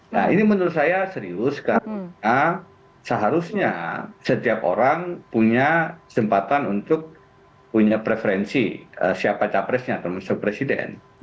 nah ini menurut saya serius karena seharusnya setiap orang punya kesempatan untuk punya preferensi siapa capresnya termasuk presiden